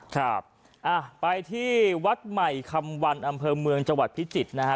ครับไปที่วัดใหม่คำวันอำเภอเมืองจังหวัดพิจิตรนะฮะ